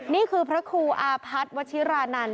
นี่คือพระครูอาพัฒน์วัชิรานันต์